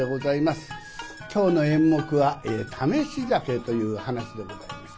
今日の演目は「試し酒」という噺でございます。